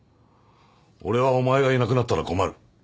俺はお前がいなくなったら困る。